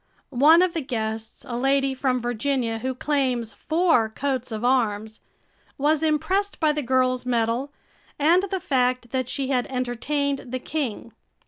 One of the guests, a lady from Virginia who claims four coats of arms, was impressed by the girl's medal and the fact that she had entertained the king.